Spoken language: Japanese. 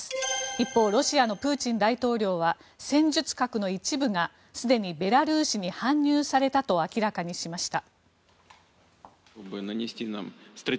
一方、ロシアのプーチン大統領は戦術核の一部がすでにベラルーシに搬入されたと明らかにしました。